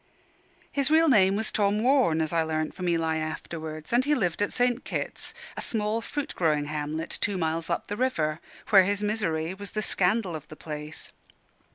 His real name was Tom Warne, as I learnt from Eli afterwards; and he lived at St. Kit's, a small fruit growing hamlet two miles up the river, where his misery was the scandal of the place.